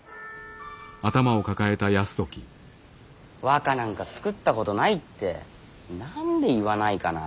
和歌なんか作ったことないって何で言わないかな。